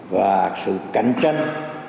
và sự cạnh tranh